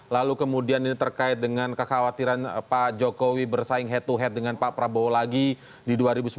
lalu kemudian ini terkait dengan kekhawatiran pak jokowi bersaing head to head dengan pak prabowo lagi di dua ribu sembilan belas